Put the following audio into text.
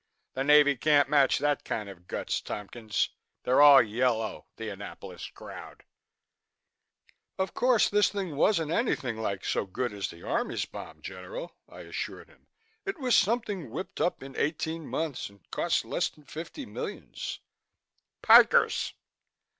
The Navy can't match that kind of guts, Tompkins. They're all yellow, the Annapolis crowd!" "Of course this thing wasn't anything like so good as the Army's bomb, General," I assured him. "It was something whipped up in eighteen months and cost less than fifty millions." "Pikers!"